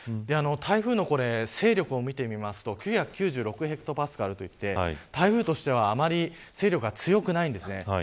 台風の勢力を見てみると９９６ヘクトパスカルで台風としてはあまり勢力は強くないんですね。